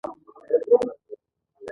پښتانه ډير زړه ور خلګ دي.